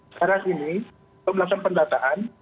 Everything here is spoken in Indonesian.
sekarang ini melakukan pendataan